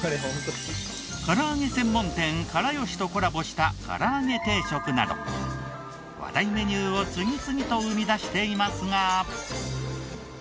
から揚げ専門店から好しとコラボしたから揚げ定食など話題メニューを次々と生み出していますが。